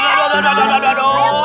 aduh aduh aduh aduh aduh aduh aduh